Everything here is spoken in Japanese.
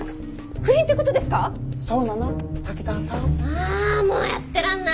ああもうやってらんない！